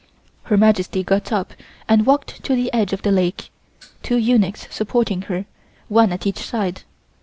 Her Majesty got up and walked to the edge of the lake, two eunuchs supporting her, one at each side.